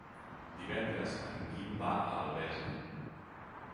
Divendres en Guim va a Albesa.